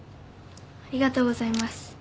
ありがとうございます。